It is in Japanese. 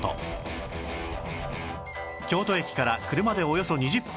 京都駅から車でおよそ２０分